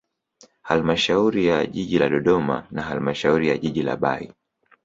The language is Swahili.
Halamashauri ya jiji la Dodoma na halmashauri ya jiji la Bahi